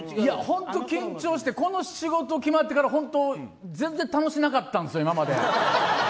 本当に緊張してこの仕事決まってから全然楽しなかったんですよ今まで。